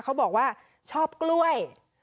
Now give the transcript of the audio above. เขาบอกว่าชอบกล้วย